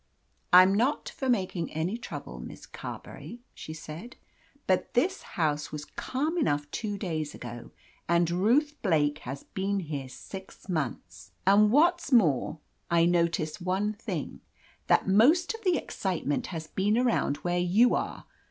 , "I'm not for making any trouble. Miss Car | berry," she said, "but this house was calm enough until two days ago, and Ruth Blake has been here six months, and what's more, I 77 THE AMAZING ADVENTURES notice one thing. The most of the excitement has been around where you are.